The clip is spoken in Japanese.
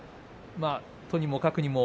とにもかくにも